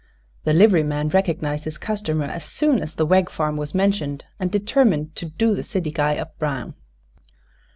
The liveryman recognized his customer as soon as the Wegg farm was mentioned, and determined to "do the city guy up brown."